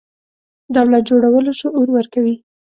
دولت جوړولو شعور ورکوي.